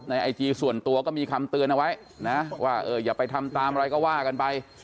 ไอจีส่วนตัวก็มีคำเตือนเอาไว้นะว่าเอออย่าไปทำตามอะไรก็ว่ากันไป